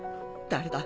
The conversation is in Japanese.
誰だ？